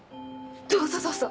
どうぞどうぞ。